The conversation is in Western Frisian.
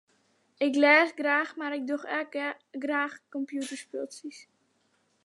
Ik lês graach mar ik doch ek graach kompjûterspultsjes.